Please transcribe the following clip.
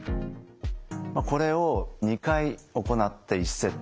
これを２回行って１セット。